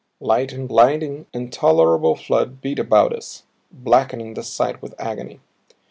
Light in blinding, intolerable flood beat about us, blackening the sight with agony.